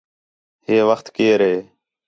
ہے وخت کیئر ہِے